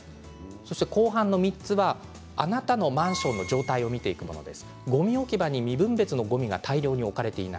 後半の３つはあなたのマンションの状態を見ていくものです。